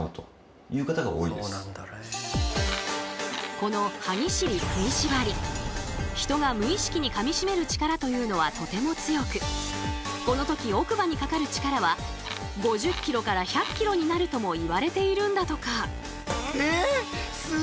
この歯ぎしり・食いしばりヒトが無意識にかみしめる力というのはとても強くこの時奥歯にかかる力は５０ｋｇから１００ｋｇになるともいわれているんだとか。